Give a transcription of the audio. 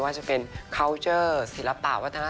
รับความสุขหรือวิเคราะห์กันดีนี้